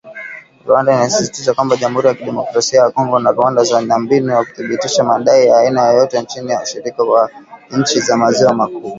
Rwanda inasisitiza kwamba “Jamhuri ya kidemokrasia ya Kongo na Rwanda zina mbinu za kuthibitisha madai ya aina yoyote chini ya ushirika wa nchi za maziwa makuu.